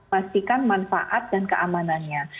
pastikan manfaat dan keamanannya